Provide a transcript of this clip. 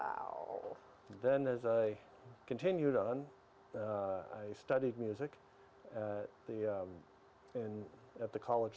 dan jenis sosialisasi yang mereka miliki